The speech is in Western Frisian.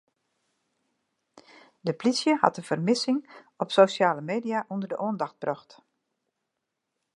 De plysje hat de fermissing op sosjale media ûnder de oandacht brocht.